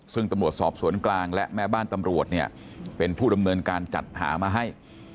ซึ่งตำรวจสอบสวนกลางและแม่บ้านตำรวจเนี่ยเป็นผู้ดำเนินการจัดหามาให้